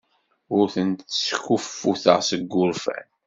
Ur ten-skuffuteɣ seg wurfan.